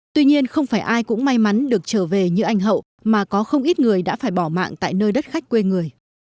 tuy nhiên không phải ai cũng may mắn được trở về như anh hậu mà có không ít người đã phải bỏ mạng tại nơi đất khách quê người